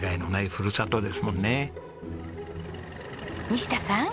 西田さん